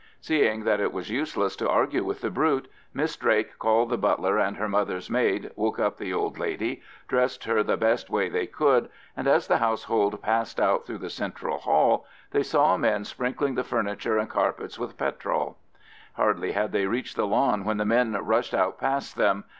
Seeing that it was useless to argue with the brute, Miss Drake called the butler and her mother's maid, woke up the old lady, dressed her the best way they could, and as the household passed out through the central hall, they saw men sprinkling the furniture and carpets with petrol. Hardly had they reached the lawn when the men rushed out past them.